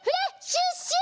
シュッシュ！